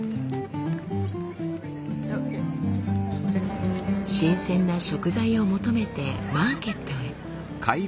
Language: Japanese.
新鮮な食材を求めてマーケットへ。